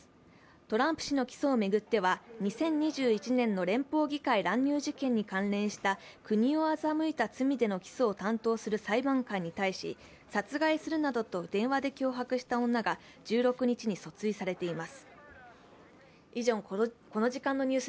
トランプ氏の起訴を巡っては２０２１年の連邦議会乱入事件に関連した、国を欺いた罪での起訴を担当する裁判官に対し「殺害する」などと電話で脅迫した女が１６日に訴追されています。